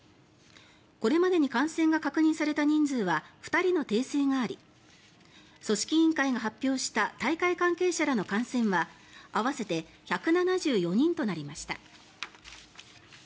これまでに感染が確認された人数は２人の訂正があり組織委員会が発表した大会関係者らの感染は合わせて１７４人となりました。